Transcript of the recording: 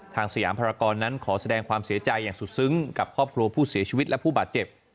สยามภารกรนั้นขอแสดงความเสียใจอย่างสุดซึ้งกับครอบครัวผู้เสียชีวิตและผู้บาดเจ็บ